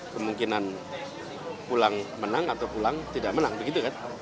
kemungkinan pulang menang atau pulang tidak menang begitu kan